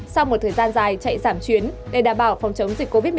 sau một thời gian dài chạy giảm chuyến để đảm bảo phòng chống dịch covid một mươi chín